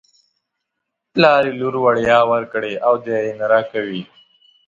پلار یې لور وړيا ورکړې او دی یې نه راکوي.